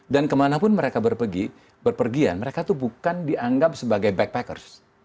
dan kemana pun mereka berpergian mereka tuh bukan dianggap sebagai backpackers